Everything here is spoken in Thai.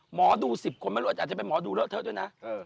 หมอดู๑๐คนไม่รู้ว่าอาจจะเป็นหมอดูเลอะเทอะด้วยนะ